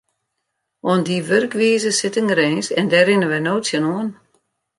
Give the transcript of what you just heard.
Oan dy wurkwize sit in grins en dêr rinne wy no tsjinoan.